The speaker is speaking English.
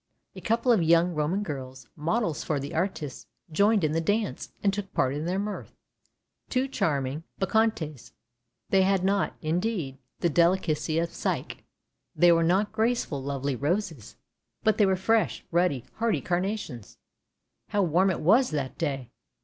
A couple of young Roman girls, models for the artists, joined in the dance, and took part in their mirth — two charming no ANDERSEN'S FAIRY TALES Bacchantes! They had not, indeed, the delicacy of Psyche — they were not graceful, lovely roses — but they were fresh, ruddy, hardy carnations. How warm it was that day!